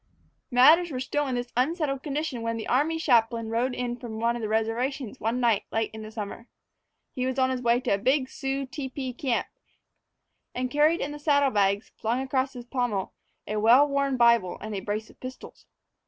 Matters were still in this unsettled condition when the army chaplain rode in from the reservation one night late in the summer. He was on his way to a big Sioux tepee camp, and carried in the saddle bags flung across his pommel a well worn Bible and a brace of pistols.